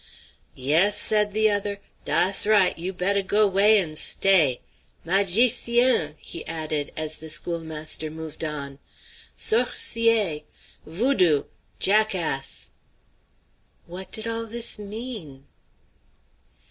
"Yes," said the other, "dass righ'; you betteh go way and stay. Magicien," he added as the schoolmaster moved on, "sorcier! Voudou! jackass!" What did all this mean?